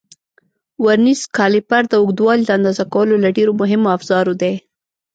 ورنیز کالیپر د اوږدوالي د اندازه کولو له ډېرو مهمو افزارو دی.